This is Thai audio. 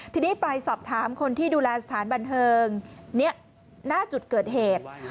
ทีนี้ไปสอบถามคนที่ดูแลสถานบันเทิงหน้าจุดเกิดเหตุ